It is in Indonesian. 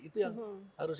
itu yang harus